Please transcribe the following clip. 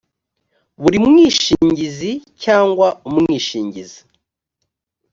buri mwishingizi cyangwa umwishingizi